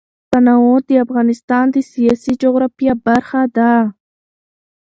تنوع د افغانستان د سیاسي جغرافیه برخه ده.